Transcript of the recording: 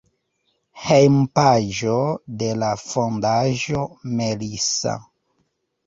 Hejmpaĝo de la Fondaĵo "Melissa".